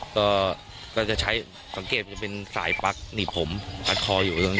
ก็สังเกตเป็นสายปลั๊กหนีบผมปัดคออยู่